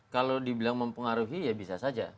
kalau dibilang mempengaruhi ya bisa saja